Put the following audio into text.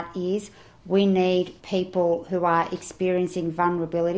dan bagian lainnya adalah kita butuh orang yang mengalami kelebihan